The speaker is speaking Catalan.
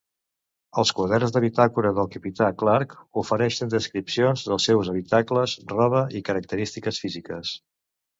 Els quaderns de bitàcola del capità Clark ofereixen descripcions dels seus habitacles, roba i característiques físiques.